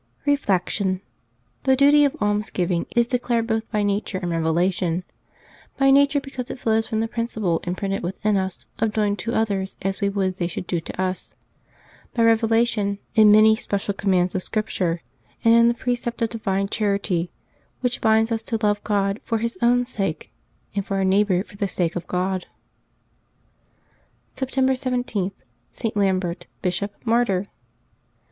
Reflection. — The duty of almsgiving is declared both by nature and revelation: by nature, because it flows from the principle imprinted within us of doing to others as we would they should do to us ; by revelation, in many special commands of Scripture, and in the precept of divine char ity which binds us to love God for His own sake, and our neighbor for the sake of God. September 17.— ST. LAMBERT, Bishop, Martyr.